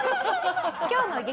今日の激